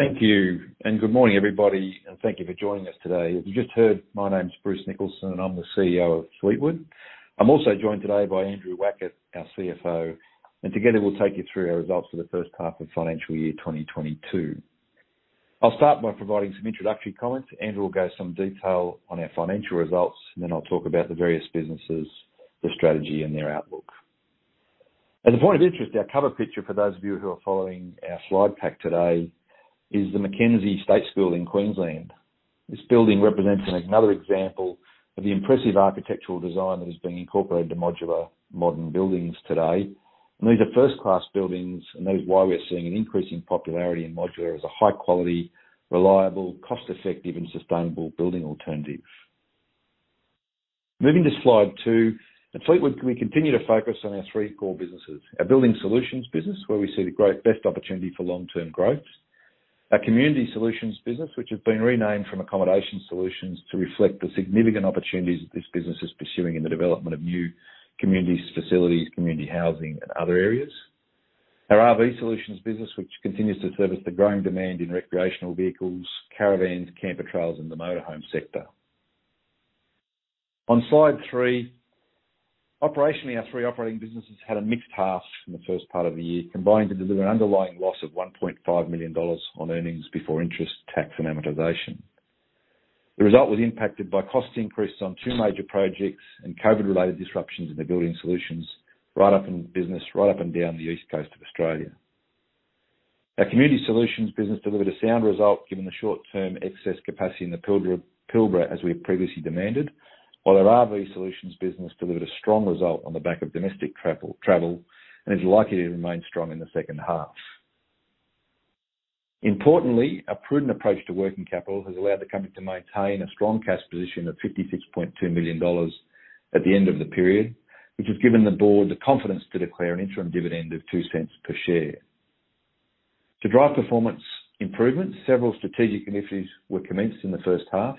Thank you, and good morning, everybody, and thank you for joining us today. As you just heard, my name's Bruce Nicholson, I'm the CEO of Fleetwood. I'm also joined today by Andrew Wackett, our CFO, and together we'll take you through our results for the first half of financial year 2022. I'll start by providing some introductory comments. Andrew will go into some detail on our financial results, and then I'll talk about the various businesses, the strategy and their outlook. As a point of interest, our cover picture for those of you who are following our slide pack today is the Mackenzie State School in Queensland. This building represents another example of the impressive architectural design that is being incorporated to modular modern buildings today. These are first-class buildings, and that is why we're seeing an increase in popularity in modular as a high quality, reliable, cost-effective and sustainable building alternative. Moving to slide two. At Fleetwood, we continue to focus on our three core businesses. Our Building Solutions business, where we see the greatest opportunity for long-term growth. Our Community Solutions business, which has been renamed from Accommodation Solutions to reflect the significant opportunities that this business is pursuing in the development of new communities, facilities, community housing and other areas. Our RV Solutions business, which continues to service the growing demand in recreational vehicles, caravans, camper trailers, and the motorhome sector. On slide three. Operationally, our three operating businesses had a mixed start in the first part of the year, combined to deliver an underlying loss of 1.5 million dollars on earnings before interest, tax and amortization. The result was impacted by cost increases on two major projects and COVID-related disruptions in the Building Solutions business, right up and down the East Coast of Australia. Our Community Solutions business delivered a sound result given the short-term excess capacity in the Pilbara as we had previously anticipated. While our RV Solutions business delivered a strong result on the back of domestic travel and is likely to remain strong in the second half. Importantly, a prudent approach to working capital has allowed the company to maintain a strong cash position of 56.2 million dollars at the end of the period, which has given the board the confidence to declare an interim dividend of 0.02 per share. To drive performance improvements, several strategic initiatives were commenced in the first half.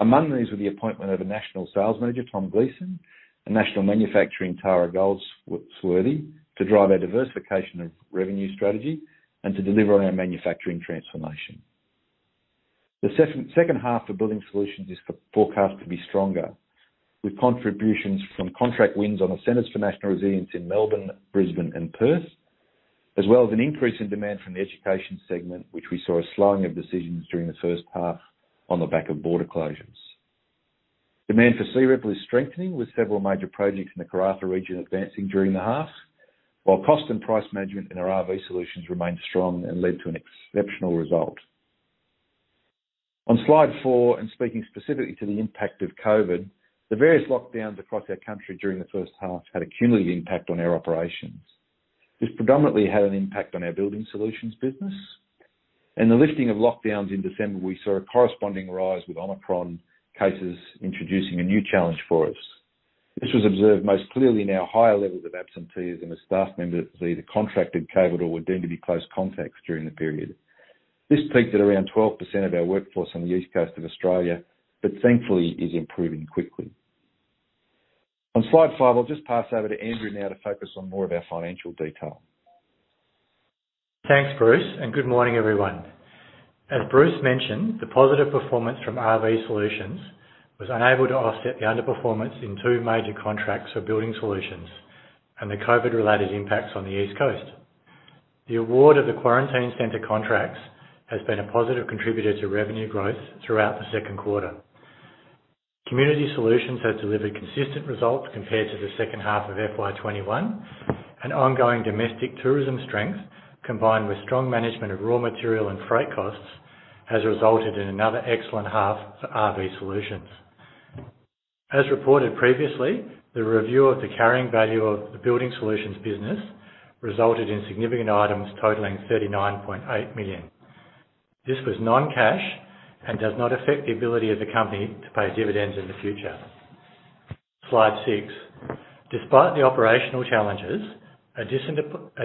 Among these were the appointment of a national sales manager, Tom Gleeson, a national manufacturing manager, Tara Goldsworthy to drive our diversification of revenue strategy and to deliver on our manufacturing transformation. The second half of Building Solutions is forecast to be stronger, with contributions from contract wins on the Centers for National Resilience in Melbourne, Brisbane and Perth, as well as an increase in demand from the education segment, which we saw a slowing of decisions during the first half on the back of border closures. Demand for Searipple is strengthening, with several major projects in the Karratha region advancing during the half. While cost and price management in our RV Solutions remained strong and led to an exceptional result. On slide four, and speaking specifically to the impact of COVID, the various lockdowns across our country during the first half had a cumulative impact on our operations. This predominantly had an impact on our Building Solutions business. In the lifting of lockdowns in December, we saw a corresponding rise with Omicron cases introducing a new challenge for us. This was observed most clearly in our higher levels of absentees in the staff members who've either contracted COVID or were deemed to be close contacts during the period. This peaked at around 12% of our workforce on the East Coast of Australia, but thankfully is improving quickly. On slide five, I'll just pass over to Andrew now to focus on more of our financial detail. Thanks, Bruce, and good morning, everyone. As Bruce mentioned, the positive performance from RV Solutions was unable to offset the underperformance in two major contracts for Building Solutions and the COVID-related impacts on the East Coast. The award of the quarantine center contracts has been a positive contributor to revenue growth throughout the second quarter. Community Solutions has delivered consistent results compared to the second half of FY 2021. Ongoing domestic tourism strength, combined with strong management of raw material and freight costs, has resulted in another excellent half for RV Solutions. As reported previously, the review of the carrying value of the Building Solutions business resulted in significant items totaling 39.8 million. This was non-cash and does not affect the ability of the company to pay dividends in the future. Slide six. Despite the operational challenges, a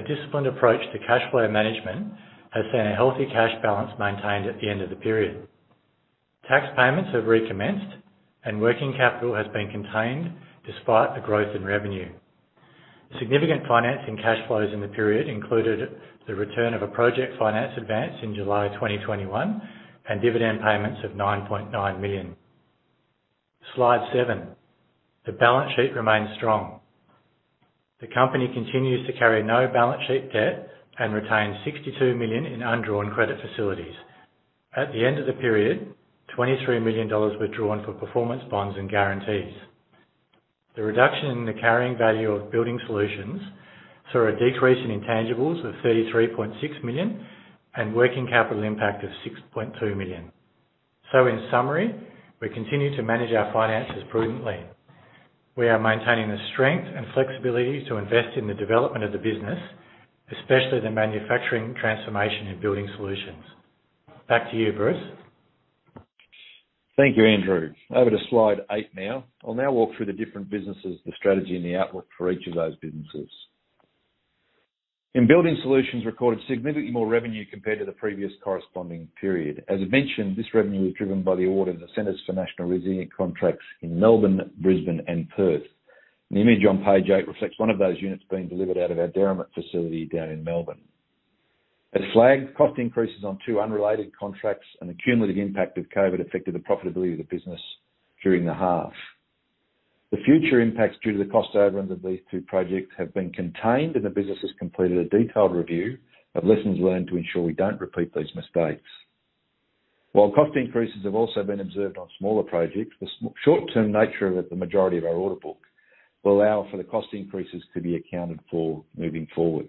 disciplined approach to cash flow management has seen a healthy cash balance maintained at the end of the period. Tax payments have recommenced and working capital has been contained despite the growth in revenue. Significant finance and cash flows in the period included the return of a project finance advance in July 2021 and dividend payments of 9.9 million. Slide 7. The balance sheet remains strong. The company continues to carry no balance sheet debt and retains 62 million in undrawn credit facilities. At the end of the period, 23 million dollars withdrawn for performance bonds and guarantees. The reduction in the carrying value of Building Solutions saw a decrease in intangibles of 33.6 million and working capital impact of 6.2 million. In summary, we continue to manage our finances prudently. We are maintaining the strength and flexibility to invest in the development of the business, especially the manufacturing transformation and Building Solutions. Back to you, Bruce. Thank you, Andrew. Over to slide eight now. I'll now walk through the different businesses, the strategy and the outlook for each of those businesses. In Building Solutions, we recorded significantly more revenue compared to the previous corresponding period. As I mentioned, this revenue was driven by the award of the Centers for National Resilience contracts in Melbourne, Brisbane and Perth. The image on page eight reflects one of those units being delivered out of our Derrimut facility down in Melbourne. As flagged, cost increases on two unrelated contracts and the cumulative impact of COVID affected the profitability of the business during the half. The future impacts due to the cost overruns of these two projects have been contained, and the business has completed a detailed review of lessons learned to ensure we don't repeat those mistakes. While cost increases have also been observed on smaller projects, the short term nature of it, the majority of our order book will allow for the cost increases to be accounted for moving forward.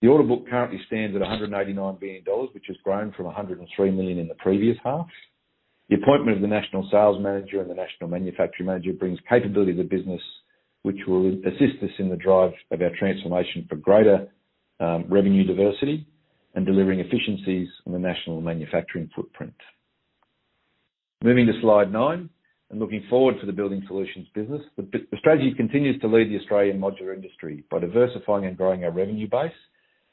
The order book currently stands at 189 billion dollars, which has grown from 103 million in the previous half. The appointment of the National Sales Manager and the National Manufacturing Manager brings capability to the business, which will assist us in the drive of our transformation for greater revenue diversity and delivering efficiencies on the national manufacturing footprint. Moving to slide nine and looking forward to the Building Solutions business. The strategy continues to lead the Australian modular industry by diversifying and growing our revenue base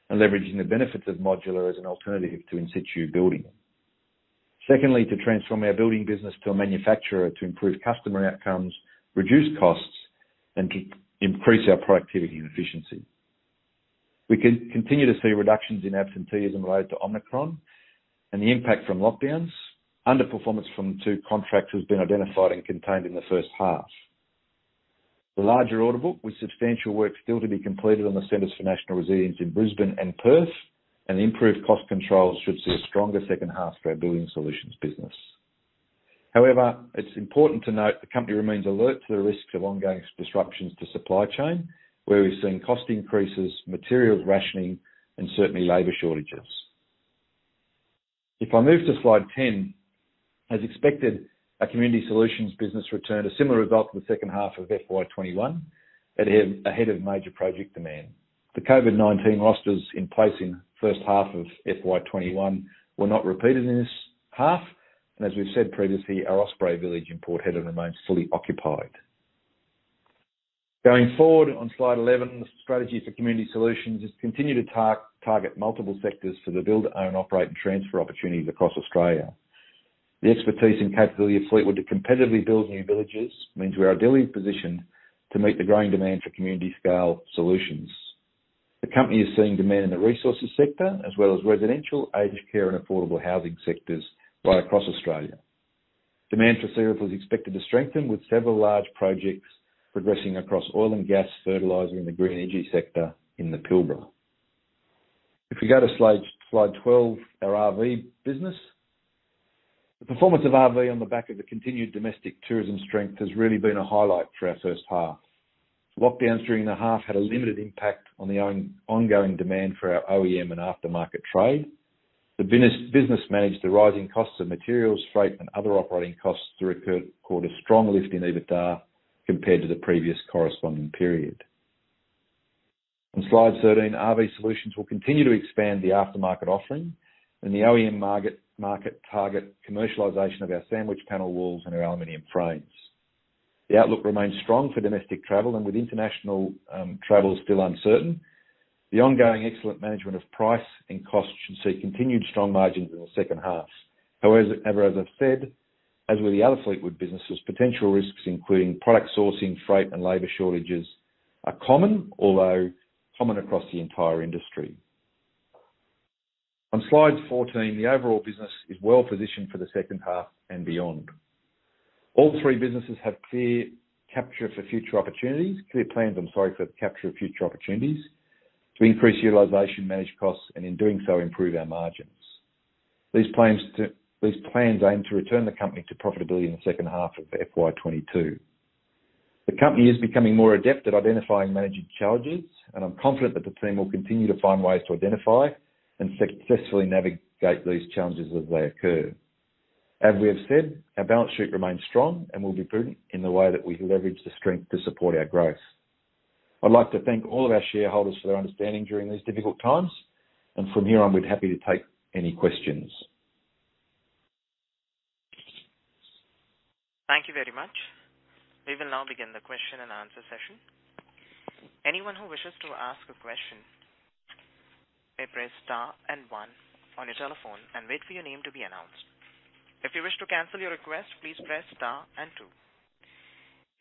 and leveraging the benefits of modular as an alternative to in situ building. Secondly, to transform our building business to a manufacturer to improve customer outcomes, reduce costs, and to increase our productivity and efficiency. We continue to see reductions in absenteeism related to Omicron and the impact from lockdowns. Underperformance from two contracts has been identified and contained in the first half. The larger order book, with substantial work still to be completed on the Centres for National Resilience in Brisbane and Perth and the improved cost controls, should see a stronger second half for our Building Solutions business. However, it's important to note the company remains alert to the risks of ongoing disruptions to supply chain, where we've seen cost increases, materials rationing, and certainly labor shortages. If I move to slide 10. As expected, our Community Solutions business returned a similar result to the second half of FY 2021 ahead of major project demand. The COVID-19 rosters in place in the first half of FY 2021 were not repeated in this half. As we've said previously, our Osprey Village in Port Hedland remains fully occupied. Going forward on slide 11, the strategy for Community Solutions is to continue to target multiple sectors for the build, own, operate and transfer opportunities across Australia. The expertise and capability of Fleetwood to competitively build new villages means we are ideally positioned to meet the growing demand for community scale solutions. The company is seeing demand in the resources sector as well as residential, aged care, and affordable housing sectors right across Australia. Demand for Searipple was expected to strengthen, with several large projects progressing across oil and gas, furthering the green energy sector in the Pilbara. If we go to slide 12, our RV business. The performance of RV on the back of the continued domestic tourism strength has really been a highlight for our first half. Lockdowns during the half had a limited impact on the ongoing demand for our OEM and aftermarket trade. The business managed the rising costs of materials, freight and other operating costs to record a strong lift in EBITDA compared to the previous corresponding period. On slide 13, RV Solutions will continue to expand the aftermarket offering and the OEM market target commercialization of our sandwich panel walls and our aluminum frames. The outlook remains strong for domestic travel and with international travel still uncertain, the ongoing excellent management of price and cost should see continued strong margins in the second half. However, as I've said, as with the other Fleetwood businesses, potential risks including product sourcing, freight and labor shortages are common, although common across the entire industry. On slide 14, the overall business is well positioned for the second half and beyond. All three businesses have clear capture for future opportunities. Clear plans, I'm sorry, for the capture of future opportunities to increase utilization, manage costs and in doing so improve our margins. These plans aim to return the company to profitability in the second half of FY 2022. The company is becoming more adept at identifying and managing challenges, and I'm confident that the team will continue to find ways to identify and successfully navigate these challenges as they occur. As we have said, our balance sheet remains strong and will be prudent in the way that we leverage the strength to support our growth. I'd like to thank all of our shareholders for their understanding during these difficult times and from here on, we're happy to take any questions. Thank you very much. We will now begin the question and answer session. Anyone who wishes to ask a question, please press star and one on your telephone and wait for your name to be announced. If you wish to cancel your request, please press star and two.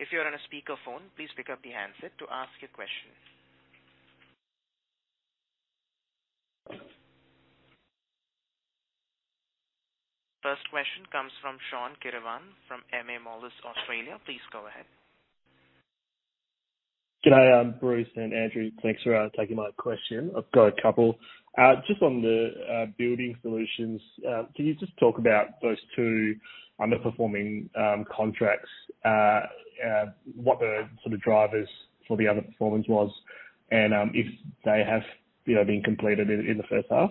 If you're on a speakerphone, please pick up the handset to ask your question. First question comes from Sean Kirwan from Moelis Australia. Please go ahead. G'day, Bruce and Andrew. Thanks for taking my question. I've got a couple. Just on the Building Solutions. Can you just talk about those two underperforming contracts? What the sort of drivers for the underperformance was and if they have been completed in the first half?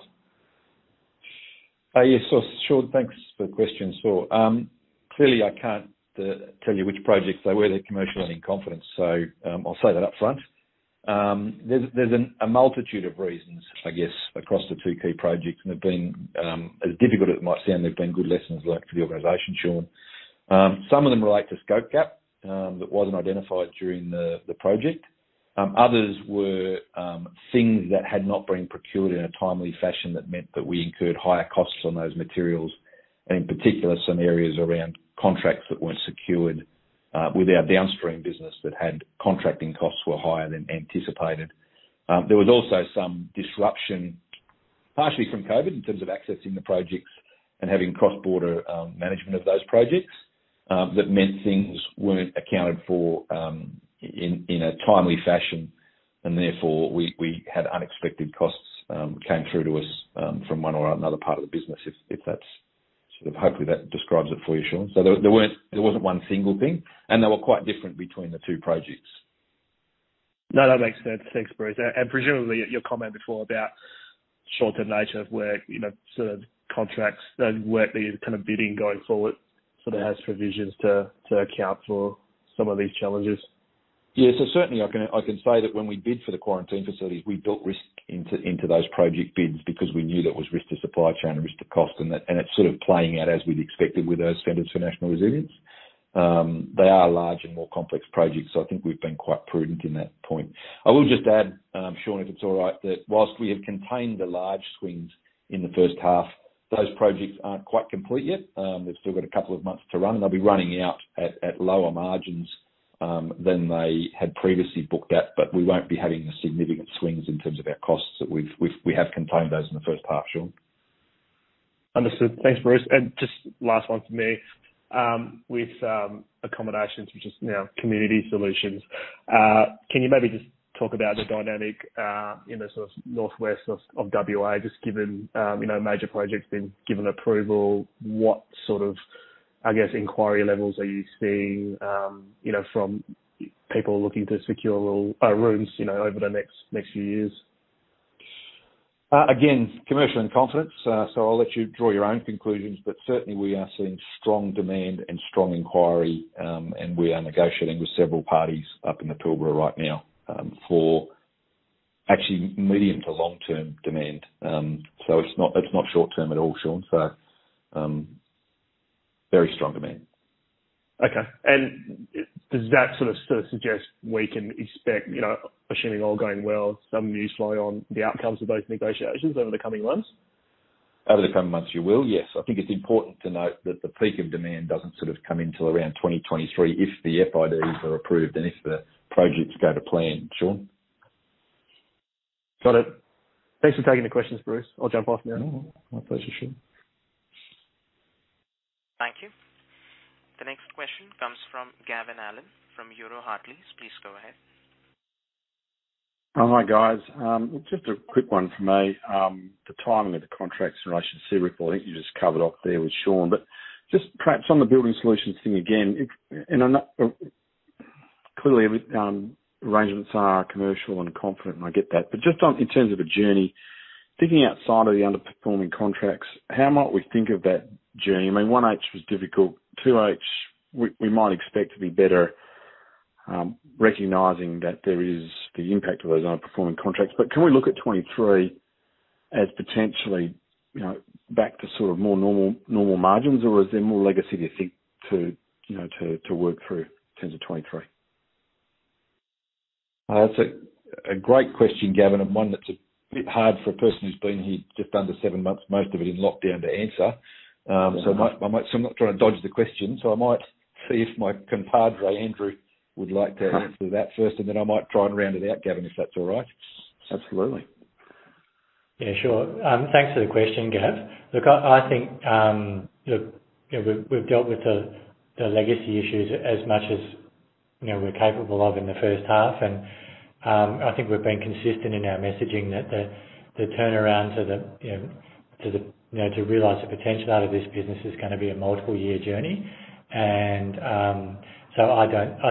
Yes. Sean, thanks for the question. Clearly I can't tell you which projects they were, they're commercial in confidence. I'll say that upfront. There's a multitude of reasons, I guess, across the two key projects and have been, as difficult as it might sound, they've been good lessons learned for the organization, Sean. Some of them relate to scope gap that wasn't identified during the project. Others were things that had not been procured in a timely fashion that meant that we incurred higher costs on those materials. In particular, some areas around contracts that weren't secured with our downstream business that had contracting costs were higher than anticipated. There was also some disruption, partially from COVID in terms of accessing the projects and having cross-border management of those projects that meant things weren't accounted for in a timely fashion and therefore we had unexpected costs came through to us from one or another part of the business if that's sort of hopefully that describes it for you, Sean. There wasn't one single thing, and they were quite different between the two projects. No, that makes sense. Thanks, Bruce. Presumably your comment before about shorter nature of work, you know, sort of contracts and work that you're kind of bidding going forward sort of has provisions to account for some of these challenges. Yeah. Certainly I can say that when we bid for the quarantine facilities, we built risk into those project bids because we knew there was risk to supply chain and risk to cost, and that it's sort of playing out as we'd expected with those Centers for National Resilience. They are large and more complex projects, so I think we've been quite prudent in that point. I will just add, Sean, if it's all right, that whilst we have contained the large swings in the first half, those projects aren't quite complete yet. They've still got a couple of months to run, and they'll be running out at lower margins than they had previously booked at. But we won't be having the significant swings in terms of our costs that we've We have contained those in the first half, Sean. Understood. Thanks, Bruce. Just last one from me. With accommodations, which is now Community Solutions, can you maybe just talk about the dynamic, you know, sort of northwest of WA, just given, you know, major projects being given approval, what sort of, I guess, inquiry levels are you seeing, you know, from people looking to secure little rooms, you know, over the next few years? Again, commercial in confidence, I'll let you draw your own conclusions, but certainly we are seeing strong demand and strong inquiry, and we are negotiating with several parties up in the Pilbara right now, for actually medium to long-term demand. It's not short term at all, Sean. Very strong demand. Okay. Does that sort of suggest we can expect, you know, assuming all going well, some news flow on the outcomes of those negotiations over the coming months? Over the coming months, you will, yes. I think it's important to note that the peak of demand doesn't sort of come in till around 2023 if the FIDs are approved and if the projects go to plan, Sean. Got it. Thanks for taking the questions, Bruce. I'll jump off now. No. My pleasure, Sean. Thank you. The next question comes from Gavin Allen from Euroz Hartleys. Please go ahead. Hi, guys. Just a quick one from me. The timing of the contracts in relation to Searipple, I think you just covered off there with Sean. Just perhaps on the Building Solutions thing again. Clearly every arrangement is commercial and confident, and I get that. Just on in terms of a journey, thinking outside of the underperforming contracts, how might we think of that journey? I mean, 1H was difficult. 2H, we might expect to be better, recognizing that there is the impact of those underperforming contracts. Can we look at 2023 as potentially, you know, back to sort of more normal margins, or is there more legacy do you think to, you know, to work through in terms of 2023? That's a great question, Gavin, and one that's a bit hard for a person who's been here just under seven months, most of it in lockdown, to answer. I'm not trying to dodge the question. I might see if my compadre, Andrew, would like to answer that first, and then I might try and round it out, Gavin, if that's all right. Absolutely. Yeah, sure. Thanks for the question, Gav. Look, I think, look, you know, we've dealt with the legacy issues as much as, you know, we're capable of in the first half. I think we've been consistent in our messaging that the turnaround to realize the potential out of this business is gonna be a multiple year journey. I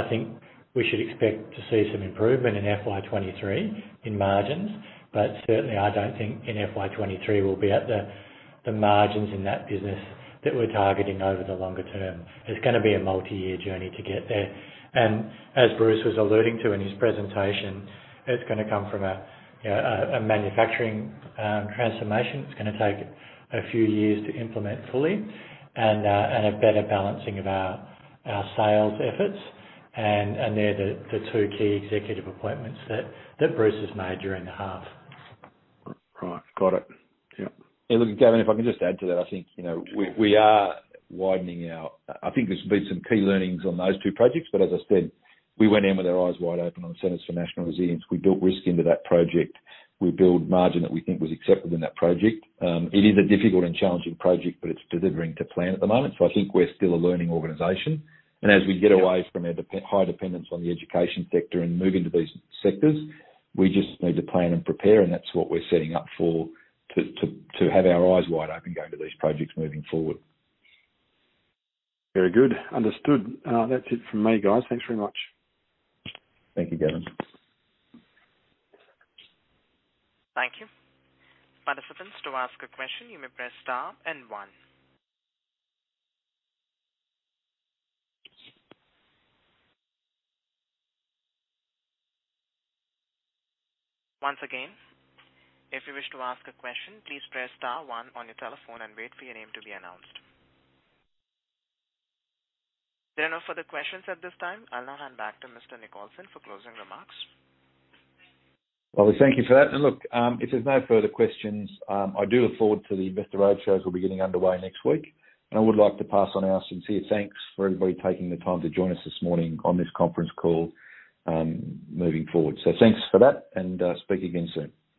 think we should expect to see some improvement in FY 2023 in margins, but certainly I don't think in FY 2023 we'll be at the margins in that business that we're targeting over the longer term. It's gonna be a multi-year journey to get there. As Bruce was alluding to in his presentation, it's gonna come from a manufacturing transformation. It's gonna take a few years to implement fully and a better balancing of our sales efforts. They're the two key executive appointments that Bruce has made during the half. Right. Got it. Yeah. Yeah. Look, Gavin, if I can just add to that. I think, you know, we are widening out. I think there's been some key learnings on those two projects, but as I said, we went in with our eyes wide open on Centers for National Resilience. We built risk into that project. We built margin that we think was accepted in that project. It is a difficult and challenging project, but it's delivering to plan at the moment. I think we're still a learning organization. As we get away from our high dependence on the education sector and move into these sectors, we just need to plan and prepare, and that's what we're setting up for to have our eyes wide open going to these projects moving forward. Very good. Understood. That's it from me, guys. Thanks very much. Thank you, Gavin. Thank you. Participants, to ask a question, you may press star and one. Once again, if you wish to ask a question, please press star one on your telephone and wait for your name to be announced. There are no further questions at this time. I'll now hand back to Mr. Nicholson for closing remarks. Well, we thank you for that. Look, if there's no further questions, I do look forward to the investor roadshows we'll be getting underway next week, and I would like to pass on our sincere thanks for everybody taking the time to join us this morning on this conference call, moving forward. Thanks for that and, speak again soon.